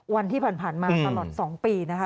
วันที่ผ่านมาตลอด๒ปีนะคะ